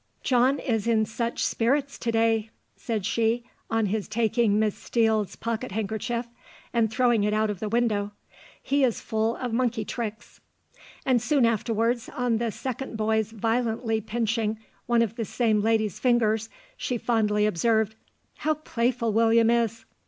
"'John is in such spirits to day!' said she, on his taking Miss Steele's pocket handkerchief and throwing it out of the window, 'he is full of monkey tricks.' "And soon afterwards on the second boy's violently pinching one of the same lady's fingers, she fondly observed, 'How playful William is!